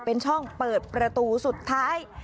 เป็นช่องเปิดประตูสุดท้าย